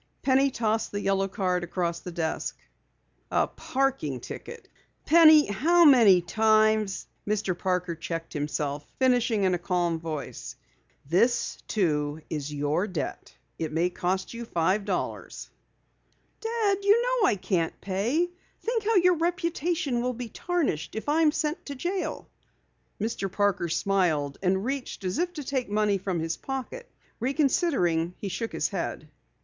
Penny tossed the yellow card across the desk. "A parking ticket! Penny, how many times " Mr. Parker checked himself, finishing in a calm voice: "This, too, is your debt. It may cost you five dollars." "Dad, you know I can't pay. Think how your reputation will be tarnished if I am sent to jail." Mr. Parker smiled and reached as if to take money from his pocket. Reconsidering, he shook his head.